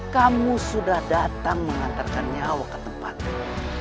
kamu sudah datang mengantarkan nyawa ke tempat ini